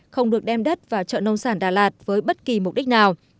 không được đem đất vào chợ nông sản đà lạt với bất kỳ mục đích nào